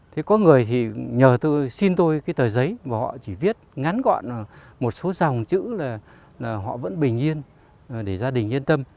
thế có người thì nhờ tôi xin tôi cái tờ giấy và họ chỉ viết ngắn gọn một số dòng chữ là họ vẫn bình yên để gia đình yên tâm